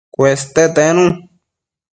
Cueste tenu